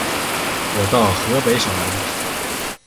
我到河北省来